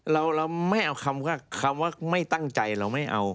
เราไม่เอาคำว่าไม่ตั้งใจเราไม่เอา